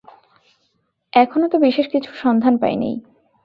এখনো তো বিশেষ কিছু সন্ধান পাই নাই।